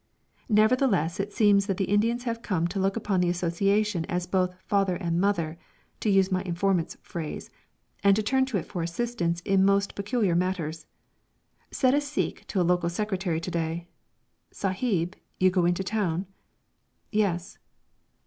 Nevertheless, it seems that the Indians have come to look upon the Association as "both father and mother," to use my informant's phrase, and turn to it for assistance in most peculiar matters. Said a Sikh to a local secretary to day: "Sahib, you go into town?" "Yes."